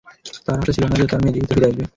তার আশা ছিল না যে, তার মেয়ে জীবিত ফিরে আসবে।